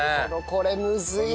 これむずいな。